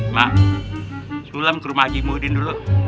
mak sulam ke rumah haji mudin dulu